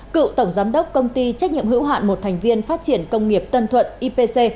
cựu tổng giám đốc công ty trách nhiệm hữu hạn một thành viên phát triển công nghiệp tân thuận ipc